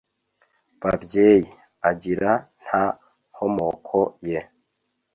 babyeyi agira nta nkomoko ye